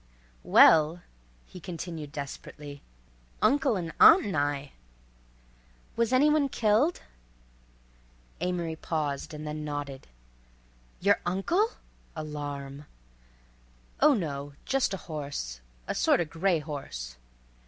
"Well," he continued desperately, "uncle 'n aunt 'n I." "Was any one killed?" Amory paused and then nodded. "Your uncle?"—alarm. "Oh, no just a horse—a sorta gray horse."